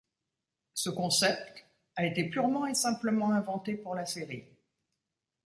Ce concept a été purement et simplement inventé pour la série.